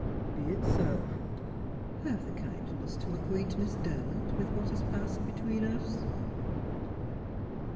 "Be it so. Have the kindness to acquaint Miss Derwent with what has passed between us."